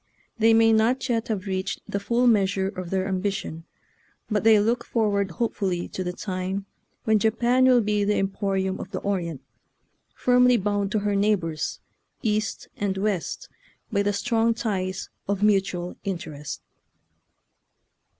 They may not yet have reached the full measure of their ambi tion, but they look forward hopefully to the time when Japan will be the emporium of the Orient, firmly bound to her neigh bors, east and west, by the strong ties of mutual interest.